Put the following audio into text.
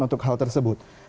untuk hal tersebut